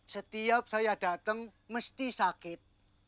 setiap saya datang mesti sakit